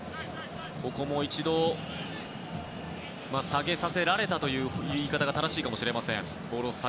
下げさせられたという言い方が正しいかもしれません。